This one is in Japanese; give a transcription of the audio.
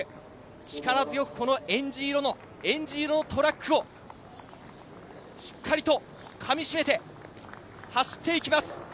力強くえんじ色のトラックをしっかりとかみしめて走っていきます。